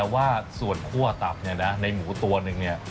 แต่ว่าส่วนคั่วตับเนี่ยนะในหมูตัวหนึ่งเนี่ย